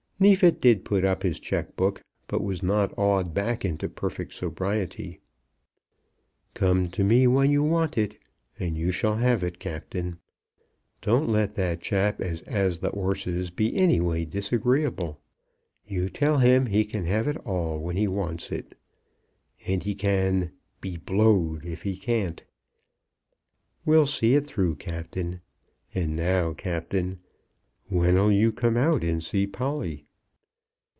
Neefit did put up his cheque book, but was not awed back into perfect sobriety. "Come to me, when you want it, and you shall have it, Captain. Don't let that chap as 'as the 'orses be any way disagreeable. You tell him he can have it all when he wants it. And he can; be blowed if he can't. We'll see it through, Captain. And now, Captain, when'll you come out and see Polly?"